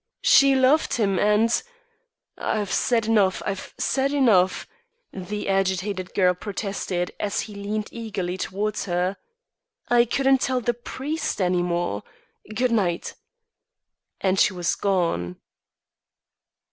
She loved him and I've said enough; I've said enough," the agitated girl protested, as he leaned eagerly towards her. "I couldn't tell the priest any more. Good night." And she was gone.